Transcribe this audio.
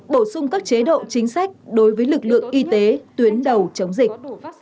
bổ sung các chế độ chính sách đối với lực lượng y tế tuyến đầu chống dịch